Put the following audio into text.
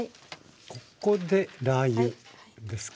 ここでラー油ですか？